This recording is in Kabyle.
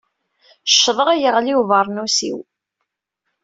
Ccḍeɣ, yeɣli ubeṛnus-iw.